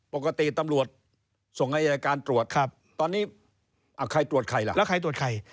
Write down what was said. ปกติตำรวจส่งอายการตรวจครับตอนนี้ใครตรวจใครล่ะแล้วใครตรวจใคร